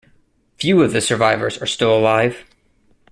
Few of the survivors are still alive.